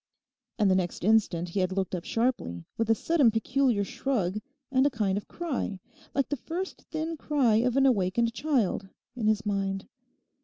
And the next instant he had looked up sharply, with a sudden peculiar shrug, and a kind of cry, like the first thin cry of an awakened child, in his mind.